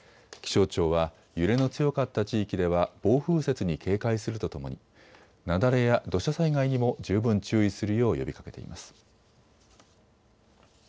気象庁は揺れの強かった地域では暴風雪に警戒するとともに雪崩や土砂災害にも十分注意するよう呼びかけています。